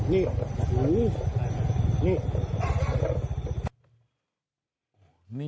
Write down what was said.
นี่โอ้โหนี่